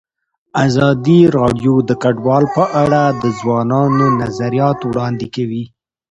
ازادي راډیو د کډوال په اړه د ځوانانو نظریات وړاندې کړي.